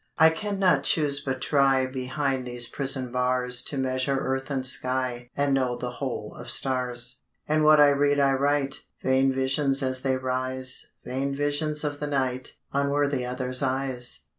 I cannot choose but try Behind these prison bars To measure earth and sky And know the whole of stars; And what I rede I write, Vain visions as they rise, Vain visions of the night, Unworthy others' eyes.